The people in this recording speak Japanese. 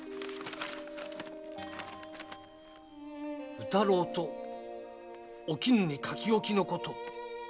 「宇太郎とお絹に書き置きのこと」。